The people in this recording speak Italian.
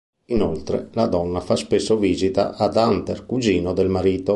Inoltre la donna fa spesso visita ad Hunter, cugino del marito.